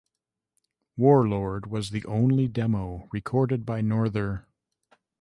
"Warlord" was the only demo recorded by Norther.